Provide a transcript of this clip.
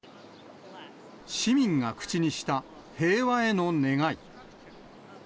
市民が口にした平和への願い。